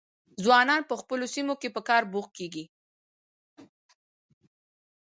ځوانان په خپلو سیمو کې په کار بوخت کیږي.